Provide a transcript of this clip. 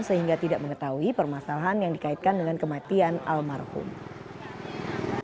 sehingga tidak mengetahui permasalahan yang dikaitkan dengan kematian almarhum